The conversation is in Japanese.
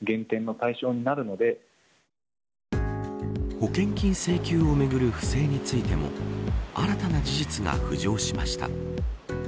保険金請求をめぐる不正についても新たな事実が浮上しました。